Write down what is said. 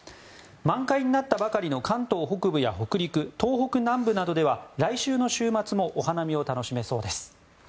満開になったばかりの関東北部や北陸、東北南部などでは来週の週末もお花見を楽しめそうです。